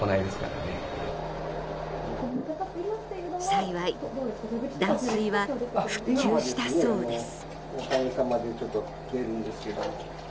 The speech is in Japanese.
幸い断水は復旧したそうです。